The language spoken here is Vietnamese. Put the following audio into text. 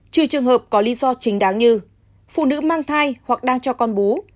trừ trường hợp có lý do chính đáng như phụ nữ mang thai hoặc đang cho con bú